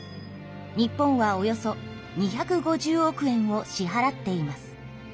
日本はおよそ２５０億円を支はらっています。